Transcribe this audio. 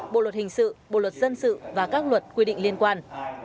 bộ luật hình sự bộ luật dân sự và các luật quy định liên quan